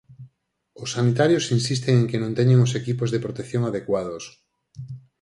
Os sanitarios insisten en que non teñen os equipos de protección adecuados.